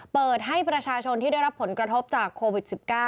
เปิดให้ประชาชนที่ได้รับผลกระทบจากโควิด๑๙